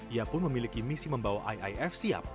ia pun memiliki misi membawa iif siap